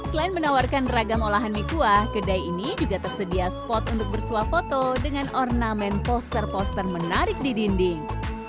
selain menawarkan ragam olahan mie kuah kedai ini juga tersedia spot untuk bersuah foto dengan ornamen poster poster menarik di dinding